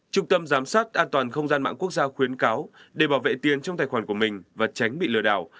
trung tâm giám sát an toàn không gian mạng quốc gia khuyến cáo để bảo vệ tiền trong tài khoản của mình và tránh bị lừa đảo